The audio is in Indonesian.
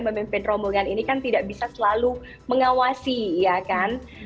memimpin rombongan ini kan tidak bisa selalu mengawasi ya kan